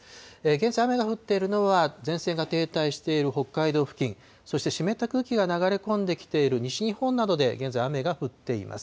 現在、雨が降っているのは、前線が停滞している北海道付近、そして湿った空気が流れ込んできている西日本などで現在、雨が降っています。